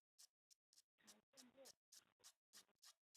财政部长宫是位于波兰首都华沙银行广场的一座宫殿建筑。